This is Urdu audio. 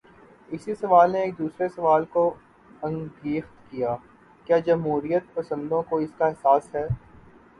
اسی سوال نے ایک دوسرے سوال کو انگیخت کیا: کیا جمہوریت پسندوں کو اس کا احساس ہے؟